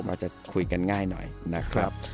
อาจจะคุยกันง่ายหน่อยนะครับ